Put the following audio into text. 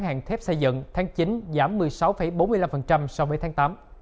hàng thép xây dựng tháng chín giảm một mươi sáu bốn mươi năm so với tháng tám